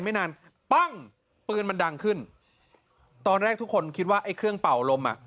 ไม่นานปั้งปืนมันดังขึ้นตอนแรกทุกคนคิดว่าไอ้เครื่องเป่าลมอ่ะ